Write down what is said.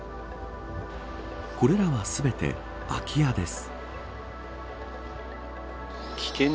これらは全て空き家です。